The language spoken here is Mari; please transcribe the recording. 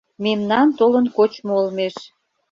Мемнан толын кочмо олмеш